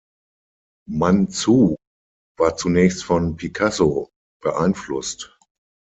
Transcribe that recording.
Manzù war zunächst von Picasso beeinflusst.